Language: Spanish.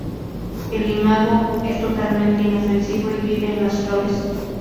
El imago es totalmente inofensivo y vive en las flores.